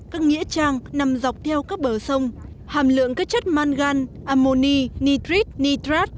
các nghĩa trang nằm dọc theo các bờ sông hàm lượng các chất mangan ammoni nitrite nitrate